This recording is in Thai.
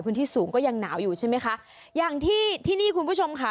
พื้นที่สูงก็ยังหนาวอยู่ใช่ไหมคะอย่างที่ที่นี่คุณผู้ชมค่ะ